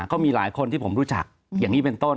ก็มีหลายคนที่ผมรู้จักอย่างนี้เป็นต้น